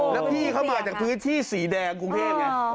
แล้วพี่เขามาจากพื้นที่สีแดงกรุงเทพไง